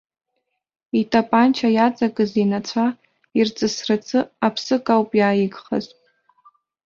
Итапанча иаҵакыз инацәа ирҵысрацы аԥсык ауп иааигхаз.